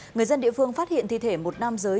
người dân địa phương phát hiện thi thể một nam giới